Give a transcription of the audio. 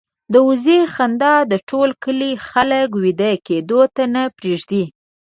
د وزې خندا د ټول کلي خلک وېده کېدو ته نه پرېږدي.